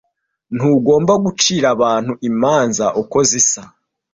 Ntugomba gucira abantu imanza uko zisa.